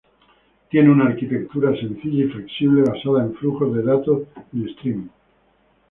Tiene una arquitectura sencilla y flexible basada en flujos de datos en streaming.